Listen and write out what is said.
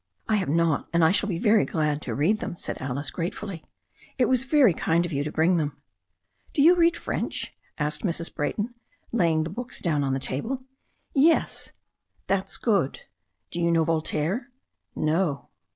"I have not, and I shall be very glad to read them," said Alice gratefully. "It was very kind of you to bring them." "Do you read French?" asked Mrs. Brayton, laying the books on the table. "Yes." "That's good. Do you know Voltaire?" "No."